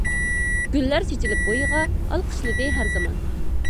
گۈللەر چېچىپ بويىغا، ئالقىشلىدى ھەر زامان.